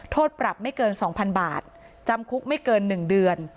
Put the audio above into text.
โทษปรับไม่เกินสองพันบาทจำคุกไม่เกินหนึ่งเดือน